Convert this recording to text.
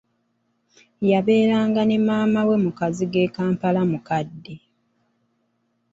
Yabeeranga ne maama we mu kazigo e Kampala mukadde.